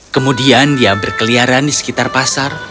kemudian dia berkeliaran di sekitar pasar